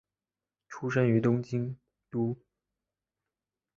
出身于东京都。